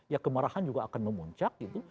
ya kemarahan juga akan memuncak gitu